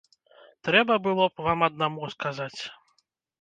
Трэба было б вам аднаму сказаць.